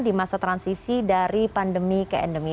di masa transisi dari pandemi ke endemi